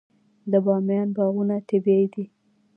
د بامیان باغونه طبیعي دي.